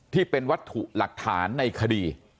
ที่เป็นวัตถุหลักฐานในคดี